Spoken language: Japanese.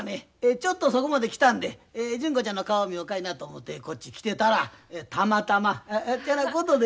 ちょっとそこまで来たんで純子ちゃんの顔見ようかいなと思てこっち来てたらたまたまてなことで。